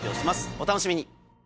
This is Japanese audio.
お楽しみに！